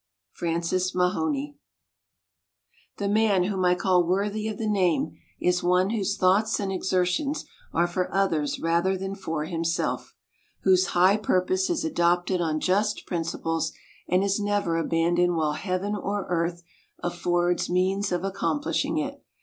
Francis Mahony The man whom I call worthy of the name, is one whose thoughts and exertions are for others rather than for himself; whose high purpose is adopted on just principles, and is never abandoned while heaven or earth affords means of accomplishing it.